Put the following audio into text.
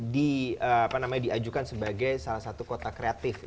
diajukan sebagai salah satu kota kreatif